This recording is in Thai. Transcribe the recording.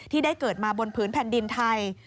ที่ได้เกิดมาบนพื้นแผ่นดินไทย